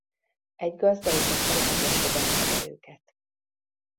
Egy gazda és a családja fogadta be őket.